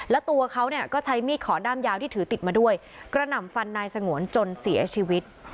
แล้วตัวเขาเนี่ยก็ใช้มีดขอด้ามยาวที่ถือติดมาด้วยกระหน่ำฟันนายสงวนจนเสียชีวิต